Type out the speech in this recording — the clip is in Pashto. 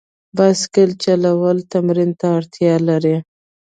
بایسکل چلول تمرین ته اړتیا لري.